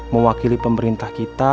mewakili pemerintah kita